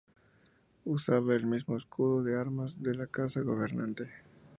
Usaba el mismo escudo de armas de la casa gobernante.